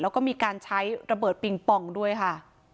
แล้วก็มีการใช้ระเบิดปิงปองด้วยค่ะ